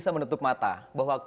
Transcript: laplar menutup mata orang